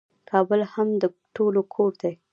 کابل هم د ټولو کور دی.